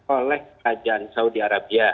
oleh kajian saudi arabia